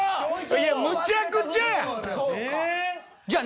いやむちゃくちゃや！